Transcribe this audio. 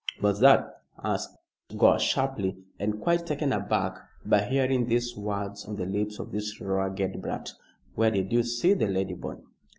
"What's that?" asked Gore, sharply, and quite taken aback by hearing these words on the lips of this ragged brat. "Where did you see the lady, boy?"